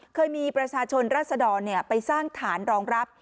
เคยมีประชาชนรัศดรไปสร้างฐานรองรับ